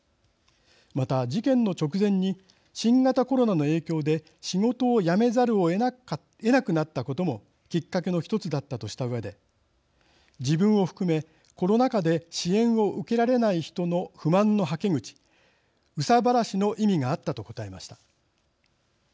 また、事件の直前に新型コロナの影響で仕事を辞めざるをえなくなったこともきっかけのひとつだったとしたうえで自分を含め、コロナ禍で支援を受けられない人の不満のはけ口憂さ晴らしの意味があったと答えました。